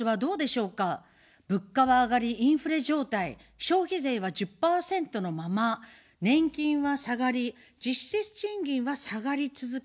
物価は上がり、インフレ状態、消費税は１０％のまま、年金は下がり、実質賃金は下がり続けています。